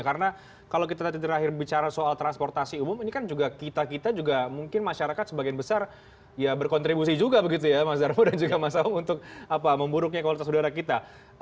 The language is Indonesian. karena kalau kita tadi terakhir bicara soal transportasi umum ini kan juga kita kita juga mungkin masyarakat sebagian besar ya berkontribusi juga begitu ya mas zermo dan juga mas amung untuk apa memburuknya kualitas udara kita